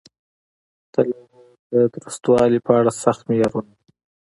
د لوحو د درستوالي په اړه سخت معیارونه وو.